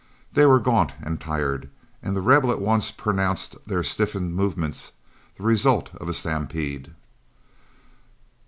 They were gaunt and tired, and The Rebel at once pronounced their stiffened movements the result of a stampede.